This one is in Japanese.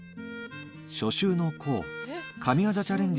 「初秋の候神業チャレンジ